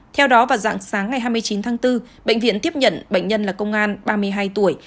theo đó vào dạng sáng ngày hai mươi chín tháng bốn bệnh viện tiếp nhận bệnh nhân là công an ba mươi hai tuổi